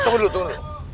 tunggu dulu tunggu dulu